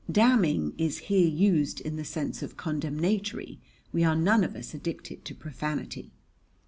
"Damning" is here used in the sense of condemnatory. We are none of us addicted to profanity.